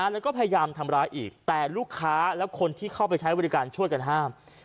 แล้วก็พยายามทำร้ายอีกแต่ลูกค้าและคนที่เข้าไปใช้บริการช่วยกันห้าม